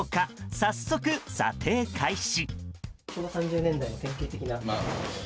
早速、査定開始。